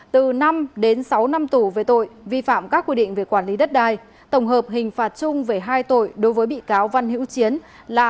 từ năm đến sáu năm tù về tội vi phạm các quy định về quản lý đất đai tổng hợp hình phạt chung về hai tội đối với bị cáo văn hữu chiến là